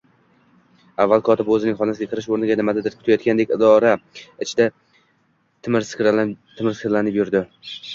Avval kotiba o`zining xonasiga kirish o`rniga nimanidir kutayotgandek idora ichida timirskilanib yurdi